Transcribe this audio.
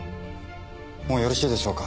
もうよろしいでしょうか？